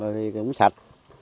thì cũng sạch